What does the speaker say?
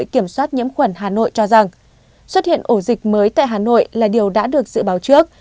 quận hà nội cho rằng xuất hiện ổ dịch mới tại hà nội là điều đã được dự báo trước